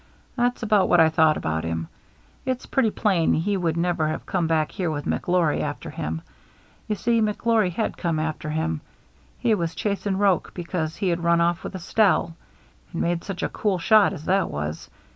"That's about what I thought about him. It's pretty plain he would never have come back here with McGlory after him — you see McGlory had come after him, — he was chasing Roche because he had run off with Estelle — and made such a cool shot as that was.